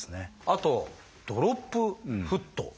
あと「ドロップフット」。